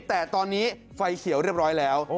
แต่ตอนนี้ไฟเขียวเรียบร้อยแล้ว